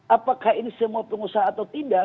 apakah ini semua pengusaha atau tidak